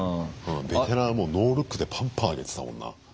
ベテランはもうノールックでパンパンあげてたもんな。